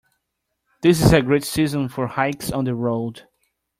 This is a grand season for hikes on the road.